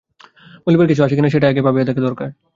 বলিবার কিছু আছে কি না সেটাই আগে ভাবিয়া দেখা দরকার।